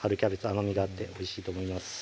甘みがあっておいしいと思います